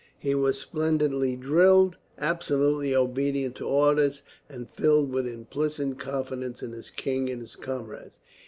He was splendidly drilled, absolutely obedient to orders, and filled with implicit confidence in his king and his comrades.